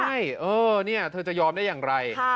ใช่เออเนี่ยเธอจะยอมได้อย่างไร